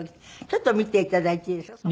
ちょっと見ていただいていいですか？